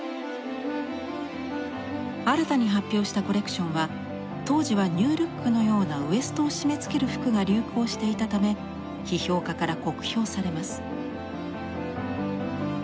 新たに発表したコレクションは当時はニュールックのようなウエストを締めつける服が流行していたため批評家から酷評されます。